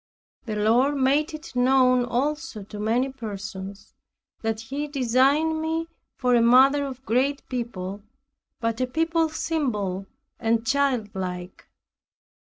The Lord made it known also to many persons, that He designed me for a mother of great people, but a people simple and childlike.